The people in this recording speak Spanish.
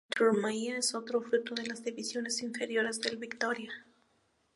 Arthur Maia es otro fruto de las divisiones inferiores del Vitória.